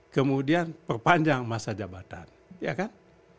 kemudian perpanjang masa jabatan ya kan